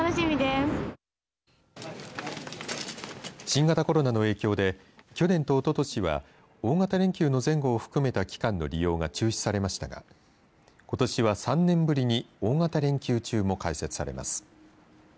新型コロナの影響で去年とおととしは大型連休の前後を含めた期間の利用が中止されましたがことしは３年ぶりに大型連休中も開設されます。